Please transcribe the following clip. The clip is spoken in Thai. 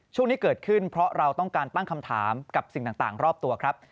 ช่วงนี้เกิดขึ้นเพราะเราต้องการตั้งคำถามกับสิ่งต่างรอบตัวครับ